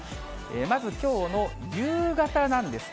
まずきょうの夕方なんです。